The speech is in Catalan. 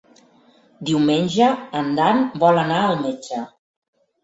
Diumenge en Dan vol anar al metge.